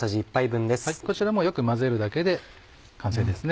こちらよく混ぜるだけで完成ですね。